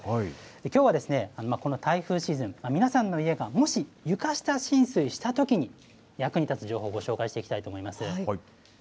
きょうは、この台風シーズン、皆さんの家がもし、床下浸水したときに役に立つ情報をご紹介していきたいと思います。